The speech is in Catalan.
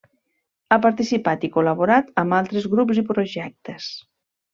Ha participat i col·laborat amb altres grups i projectes.